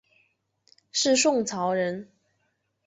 是宋朝人。